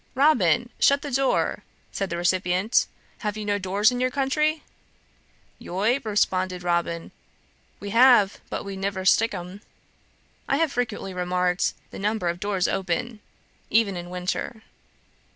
'Robin! shut the door!' said the recipient. 'Have you no doors in your country?' 'Yoi,' responded Robin, 'we hev, but we nivver steik 'em.' I have frequently remarked the number of doors open even in winter.